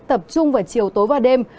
tập trung vào chiều tối và đêm